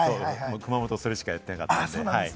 熊本、それしかやってなかったんで。